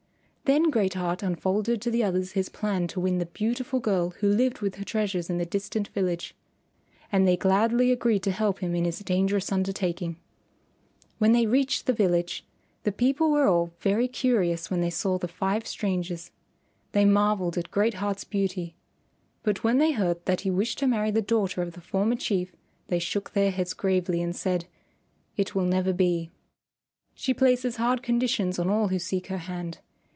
Then Great Heart unfolded to the others his plan to win the beautiful girl who lived with her treasures in the distant village. And they gladly agreed to help him in his dangerous undertaking. When they reached the village, the people were all very curious when they saw the five strangers. They marvelled at Great Heart's beauty. But when they heard that he wished to marry the daughter of the former Chief they shook their heads gravely and said, "It will never be. She places hard conditions on all who seek her hand.